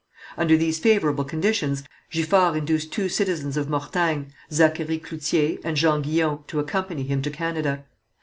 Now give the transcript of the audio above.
Under these favourable conditions Giffard induced two citizens of Mortagne, Zacharie Cloutier and Jean Guyon, to accompany him to Canada.